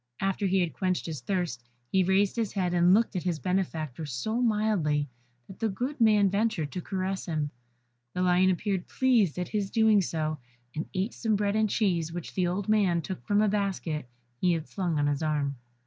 After he had quenched his thirst, he raised his head and looked at his benefactor so mildly, that the good man ventured to caress him. The lion appeared pleased at his doing so, and ate some bread and cheese which the old man took from a basket he had slung on his arm.